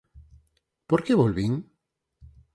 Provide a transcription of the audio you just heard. Por que volvín?